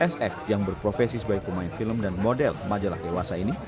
sf yang berprofesi sebagai pemain film dan model majalah dewasa ini